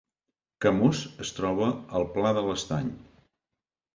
Camós es troba al Pla de l’Estany